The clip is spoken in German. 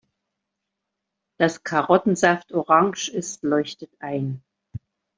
Dass Karottensaft orange ist, leuchtet ein.